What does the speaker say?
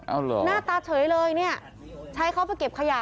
เอาเหรอหน้าตาเฉยเลยเนี่ยใช้เขาไปเก็บขยะ